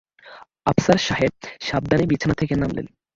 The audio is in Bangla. আফসার সাহেব সাবধানে বিছানা থেকে নামলেন।